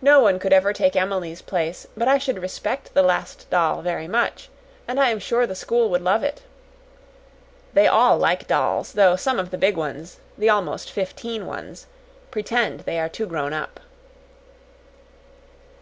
No one could ever take Emily's place, but I should respect the Last Doll very much; and I am sure the school would love it. They all like dolls, though some of the big ones the almost fifteen ones pretend they are too grown up."